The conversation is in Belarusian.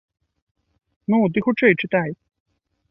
Ну, ты хутчэй чытай.